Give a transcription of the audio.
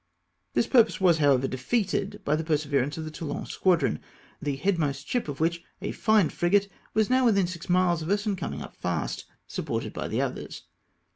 This purpose was, however, defeated by the perse verance of the Toulon squadron, the headmost ship of which — a fine frigate — was now within six miles of us, and coming up fast, supported by the others.